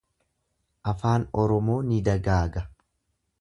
Afaan Oromoo ni dagaaga.